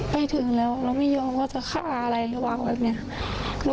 ไปถึงแล้วเราไม่ยอมว่าจะฆ่าอะไรระวังแบบนี้